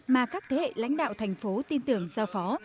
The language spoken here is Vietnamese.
mà các thế hệ lãnh đạo thành phố tin tưởng giao phó